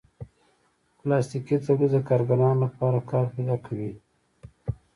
پلاستيکي تولید د کارګرانو لپاره کار پیدا کوي.